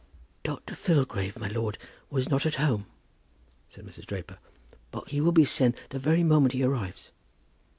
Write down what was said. "Dr. Filgrave, my lord, was not at home," said Mrs. Draper; "but he will be sent the very moment he arrives."